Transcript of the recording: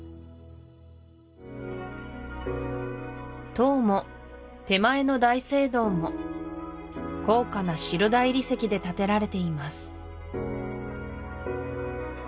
塔も手前の大聖堂も高価な白大理石で建てられています